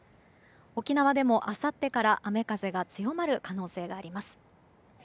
沖縄でも、あさってから雨風が強まる恐れがあります。